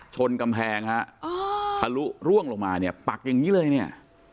ชนกำแพงฮะทะลุร่วงลงมาเนี่ยปักอย่างนี้เลยเนี่ย